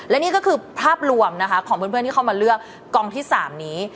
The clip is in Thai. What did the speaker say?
และนี่ก็คือภาพรวมนะคะของเพื่อนที่เข้ามาเลือกกองที่๓นี้